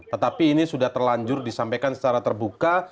tetapi ini sudah terlanjur disampaikan secara terbuka